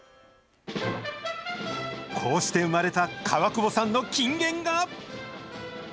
こうして生まれた川久保さんの金言が。